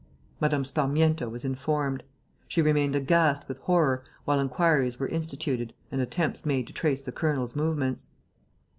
Mme. Sparmiento was informed. She remained aghast with horror, while inquiries were instituted and attempts made to trace the colonel's movements.